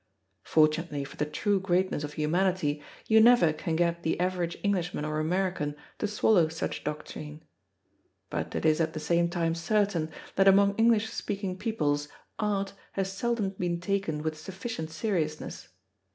Fortunately for the true greatness of humanity, you never can get the average Englishman or American to swallow such doctrine. But it is at the same time certain that among English speaking peoples Art has seldom been taken with sufficient seriousness.